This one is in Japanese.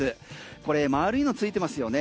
これ、丸いのついてますよね。